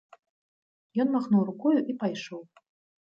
Ён махнуў рукою і пайшоў.